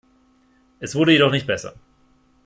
Es wurde jedoch nicht besser.